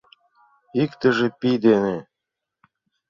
Иктыже — пий дене.